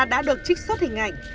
đã được trích xuất hình ảnh